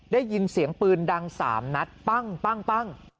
ได้ยินเสียงปืนดัง๓นัดปั้ง